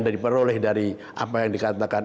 diperoleh dari apa yang dikatakan